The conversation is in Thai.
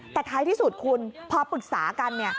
แต่ท้ายที่สุดคุณพอปรึกษากัน